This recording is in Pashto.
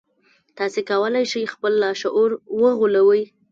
تاسې کولای شئ خپل لاشعور وغولوئ